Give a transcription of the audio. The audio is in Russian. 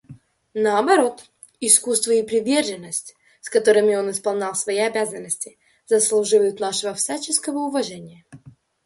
Наоборот, искусство и приверженность, с которыми он исполнял свои обязанности, заслуживают нашего всяческого уважения.